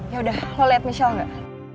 yaudah lo liat michelle gak